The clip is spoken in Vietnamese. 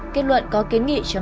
kết luận có kiến nghị chấm dự